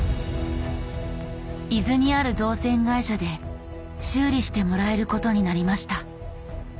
伊豆にある造船会社で修理してもらえることになりました。